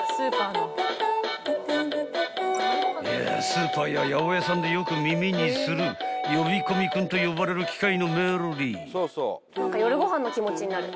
［スーパーや八百屋さんでよく耳にする呼び込み君と呼ばれる機械のメロディー］